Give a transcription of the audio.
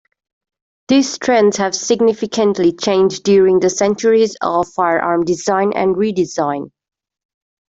These trends have significantly changed during the centuries of firearm design and re-design.